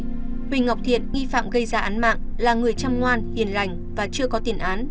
huỳnh ngọc thiện nghi phạm gây ra án mạng là người chăm ngoan hiền lành và chưa có tiền án